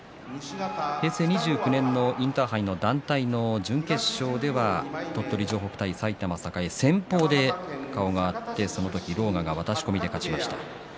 平成２９年のインターハイの団体の準決勝では鳥取城北対埼玉栄先ぽうで顔が合ってその時、狼雅が渡し込みで勝ちました。